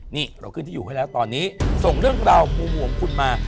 นี่เราขึ้นที่อยู่ให้แล้วตอนนี้ส่งเรื่องราวมุมของคุณมา